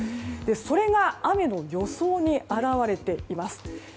それが雨の予想に表れています。